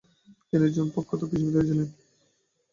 তিনি একজন প্রখ্যাত কৃষিবিদ হয়েছিলেন।